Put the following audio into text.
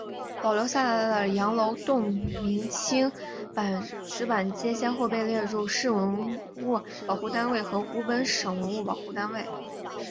保留下来的羊楼洞明清石板街先后被列为市文物保护单位和湖北省文物保护单位。